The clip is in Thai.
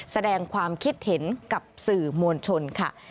แสดงความคิดเห็นกับสื่อมวลชนค่ะ